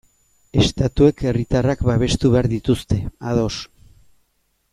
Estatuek herritarrak babestu behar dituzte, ados.